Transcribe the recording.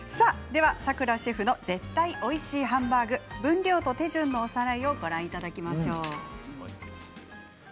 ではさくらシェフの絶対おいしいハンバーグ分量と手順のおさらいをご覧いただきましょう。